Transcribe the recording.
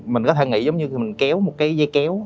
mình có thể nghĩ giống như mình kéo một cái dây kéo